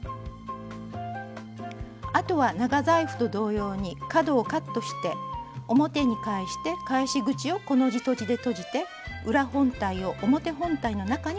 あとは長財布と同様に角をカットして表に返して返し口をコの字とじでとじて裏本体を表本体の中に収めます。